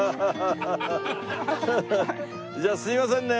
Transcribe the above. じゃあすいませんね。